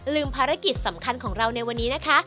ภารกิจสำคัญของเราในวันนี้นะคะ